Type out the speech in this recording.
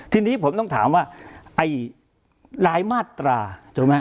ทีนี้ผมต้องถามว่ารายมาตรา